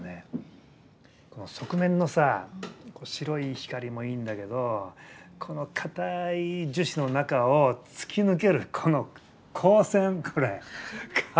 この側面のさ白い光もいいんだけどこのかたい樹脂の中を突き抜けるこの光線これかっこいいよね！